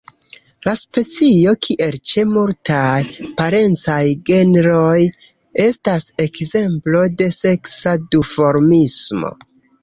La specio, kiel ĉe multaj parencaj genroj, estas ekzemplo de seksa duformismo.